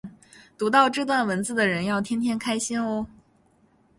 读到这段文字的人要天天开心哦